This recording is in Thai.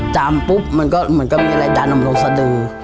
จามปุ๊บมันก็มีอะไรจานมันตกสะดือ